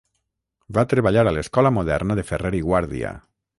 Va treballar a l'Escola Moderna de Ferrer i Guàrdia.